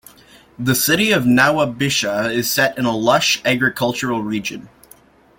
The city of Nawabshah is set in a lush agricultural region.